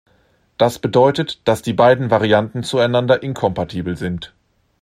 Das bedeutet, dass die beiden Varianten zueinander inkompatibel sind.